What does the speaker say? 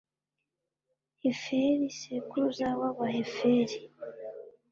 heferi sekuruza w’abaheferi.